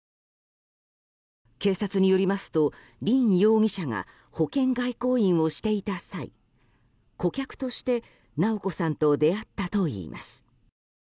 警察によりますと、凜容疑者が保険外交員をしていた際顧客として直子さんと出会ったといいます。